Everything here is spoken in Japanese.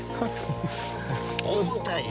重たいよ。